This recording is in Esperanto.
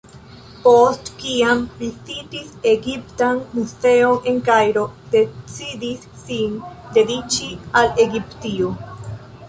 Post kiam vizitis Egiptan muzeon en Kairo decidis sin dediĉi al Egiptio.